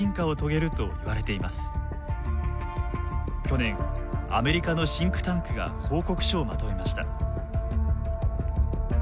去年アメリカのシンクタンクが報告書をまとめました。